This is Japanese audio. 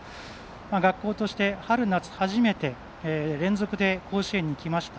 学校として春夏初めて連続で甲子園にきました。